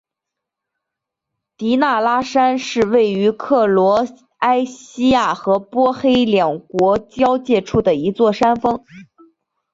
迪纳拉山是位于克罗埃西亚和波黑两国交界处的一座山峰。